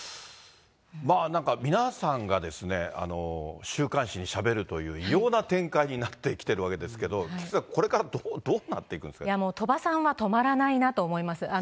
まあ、なんか皆さんがですね、週刊誌にしゃべるという、異様な展開になってきているわけですけれども、菊池さん、鳥羽さんは止まらないなと思います。